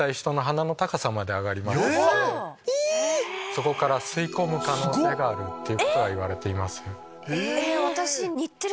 そこから吸い込む可能性があるといわれています。